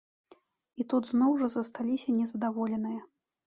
І тут зноў жа засталіся незадаволеныя.